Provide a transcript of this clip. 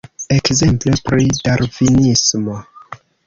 Ekzemple pri Darvinismo.